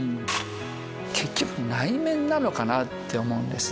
結局内面なのかなって思うんです。